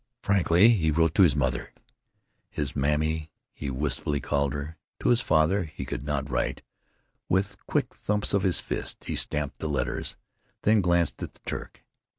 Frankly he wrote to his mother—his mammy he wistfully called her. To his father he could not write. With quick thumps of his fist he stamped the letters, then glanced at the Turk.